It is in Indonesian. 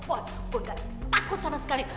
wah gue gak takut sama sekali